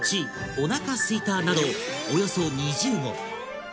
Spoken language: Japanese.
「お腹空いた」などおよそ２０語！